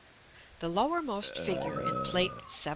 The lowermost figure in Plate XVII.